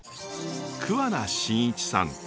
桑名伸一さん。